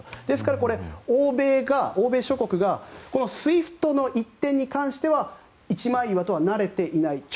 ですからこれ、欧米諸国がこのＳＷＩＦＴの１点に関しては一枚岩とはなれていない。